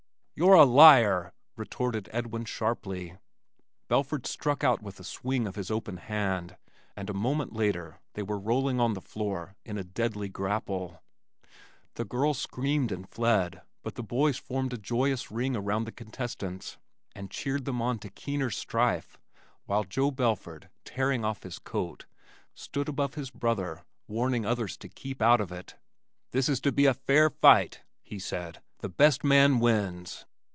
"You're a liar!" retorted Edwin sharply. Belford struck out with a swing of his open hand, and a moment later they were rolling on the floor in a deadly grapple. The girls screamed and fled, but the boys formed a joyous ring around the contestants and cheered them on to keener strife while Joe Belford, tearing off his coat, stood above his brother, warning others to keep out of it. "This is to be a fair fight," he said. "The best man wins!"